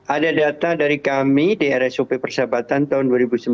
ada data dari kami di rsup persahabatan tahun dua ribu sembilan